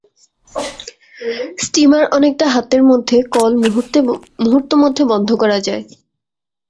Steamer অনেকটা হাতের মধ্যে, কল মুহূর্তমধ্যে বন্ধ করা যায়।